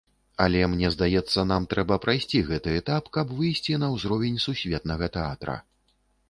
Але мне здаецца, нам трэба прайсці гэты этап, каб выйсці на ўзровень сусветнага тэатра.